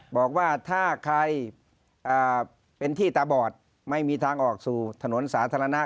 บอกว่าถ้าใครเป็นที่ตาบอดไม่มีทางออกสู่ถนนสาธารณะ